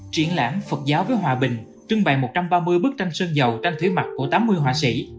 triển lãm phật giáo với hòa bình trưng bày một trăm ba mươi bức tranh sơn dầu tranh thủy mặt của tám mươi họa sĩ